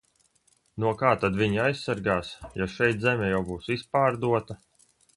No kā tad viņi aizsargās, ja šeit zeme jau būs izpārdota?